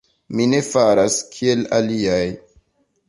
Mi ne faras, kiel aliaj.